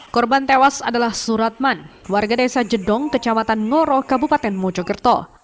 korban tewas adalah suratman warga desa jedong kecamatan ngoro kabupaten mojokerto